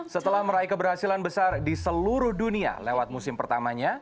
setelah meraih keberhasilan besar di seluruh dunia lewat musim pertamanya